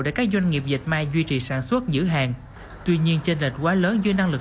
để các doanh nghiệp dạch mai duy trì sản xuất giữ hàng tuy nhiên chênh lệch quá lớn do năng lực